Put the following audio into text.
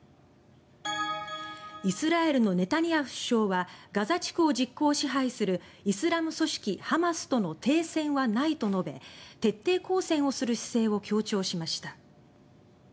イスラエルのネタニヤフ首相はガザ地区を実効支配するイスラム組織ハマスとの停戦はないと述べ徹底抗戦をする姿勢を強調しました。